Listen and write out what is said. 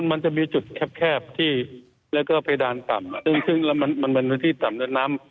มันจะมีจุดแคบที่และก็เพดานต่ำซึ่งมันเป็นที่ต่ำ